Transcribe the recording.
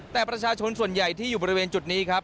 แต่ประชาชนส่วนใหญ่ที่อยู่บริเวณจุดนี้ครับ